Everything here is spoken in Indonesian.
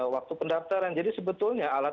waktu pendaftaran jadi sebetulnya alat